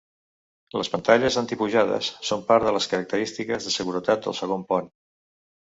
Les pantalles anti-pujades són part de les característiques de seguretat del segon pont.